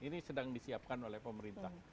ini sedang disiapkan oleh pemerintah